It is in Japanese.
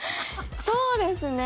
そうですね。